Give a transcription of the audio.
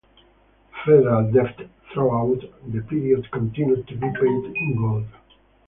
Federal debt throughout the period continued to be paid in gold.